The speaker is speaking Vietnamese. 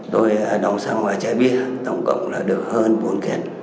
tôi đóng xăng và chai bia tổng cộng là được hơn bốn triệu